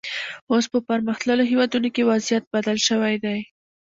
اوس په پرمختللو هېوادونو کې وضعیت بدل شوی دی.